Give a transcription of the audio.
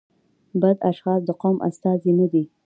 بد اشخاص د قوم استازي نه دي.